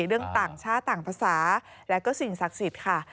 เรื่องต่างชาติต่างภาษาและก็สิ่งศักดิ์สิทธิ์ค่ะ